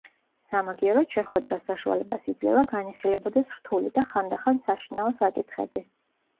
სამაგიეროდ შეხვედრა საშუალებას იძლევა განიხილებოდეს რთული და ხანდახან საშინაო საკითხები.